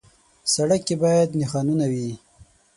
سړک کې باید نښانونه وي.